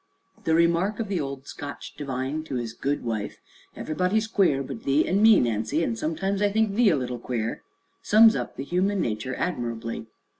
The remark of the old Scotch divine to his good wife: "Everybody's queer but thee and me, Nancy, and sometimes I think thee a little queer," sums up human nature admirably.